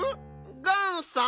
ガンさん？